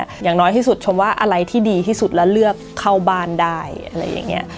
อย่างน้อยที่สุดชมว่าอะไรที่ดีที่สุดแล้วเลือกเข้าบ้านได้อะไรอย่างนี้